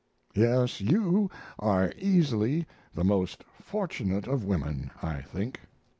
Yes, you are easily the most fortunate of women, I think."